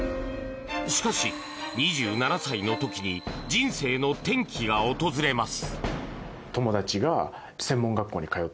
しかし、２７歳の時に人生の転機が訪れます。